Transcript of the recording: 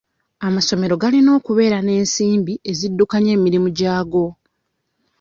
Amasomero galina okubeera n'ensimbi eziddukanya emirimu gyago.